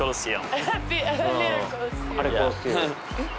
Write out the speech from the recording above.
えっ？